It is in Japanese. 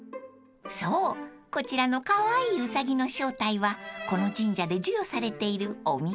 ［そうこちらのカワイイうさぎの正体はこの神社で授与されているおみくじ］